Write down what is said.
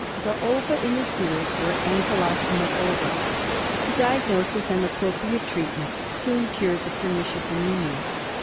The ova in the stools were ankylostoma ova. The diag nosis and appropriate treatment soon cured the pernicious anaemia.